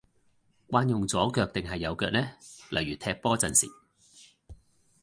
慣用左腳定係右腳呢？例如踢波陣時